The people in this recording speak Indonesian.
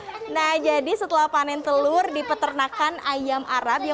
yang bisa dipanen telurnya nah jadi setelah panen telur di peternakan ayam arab yang hasilnya telur yang